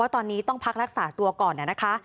ตอนนี้ต้องพักรักษาตัวก่อนนะคะ